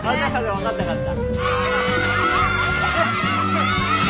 分かった分かった。